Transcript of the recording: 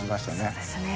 そうですね。